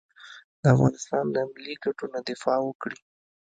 د افغانستان د ملي ګټو نه دفاع وکړي.